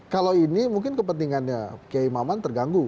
kalau ini mungkin kepentingannya kiai maman terganggu